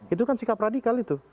itu kan sikap radikal itu